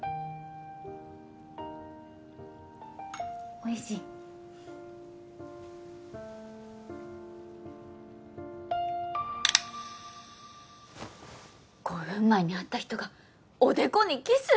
おいしい５分前に会った人がおでこにキス！